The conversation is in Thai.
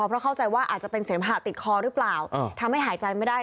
เพราะเข้าใจว่าอาจจะเป็นเสมหะติดคอหรือเปล่าทำให้หายใจไม่ได้